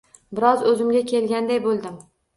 Biroz oʻzimga kelganday boʻldim